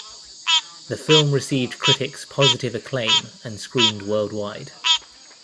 The film received critics positive acclaim and screened worldwide.